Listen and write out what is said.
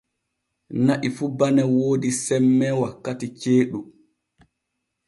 Na'i fu bane woodi semme wakkati ceeɗu.